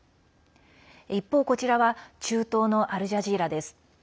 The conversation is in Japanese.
一方、こちらは中東のアルジャジーラです。